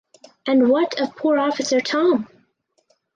And what of poor officer Tom?